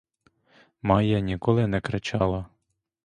Майя ніколи не кричала.